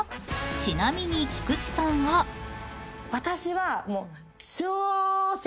ちなみに菊地さんは］私は。